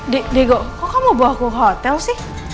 d dego kok kamu bawa aku ke hotel sih